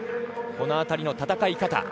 この辺りの戦い方